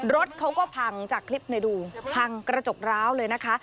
รถเขาก็พังจากคลิปดูพังกระจกร้าวเลยนะคะ